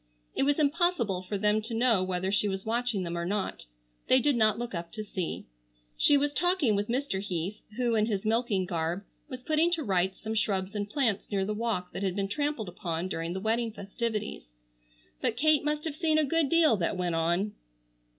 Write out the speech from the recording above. It was impossible for them to know whether she was watching them or not. They did not look up to see. She was talking with Mr. Heath who, in his milking garb, was putting to rights some shrubs and plants near the walk that had been trampled upon during the wedding festivities. But Kate must have seen a good deal that went on.